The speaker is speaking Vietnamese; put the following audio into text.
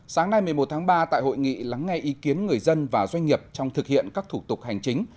sáng nay một mươi một tháng ba tại hội nghị lắng nghe ý kiến người dân và doanh nghiệp trong thực hiện các thủ tục hành chính